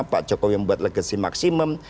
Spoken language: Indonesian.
pak jokowi membuat legasi maksimum